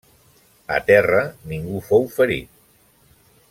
A terra ningú fou ferit.